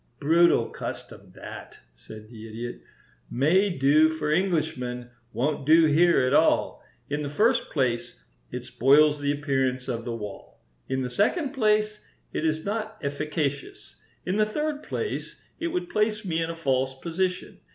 "Brutal custom, that," said the Idiot. "May do for Englishmen; won't do here at all. In the first place, it spoils the appearance of the wall; in the second place, it is not efficacious; in the third place, it would place me in a false position.